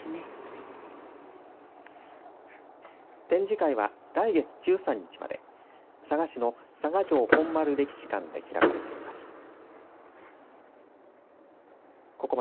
展示会は来月１３日まで佐賀市の佐賀城本丸歴史館で開かれています。